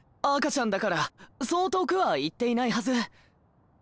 赤ちゃんだからそう遠くは行っていないはず。